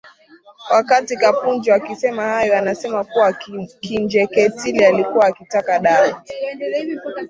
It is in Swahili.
Wakati Kapunju akisema hayo anasema kuwa Kinjeketile alikuwa akitaka dawa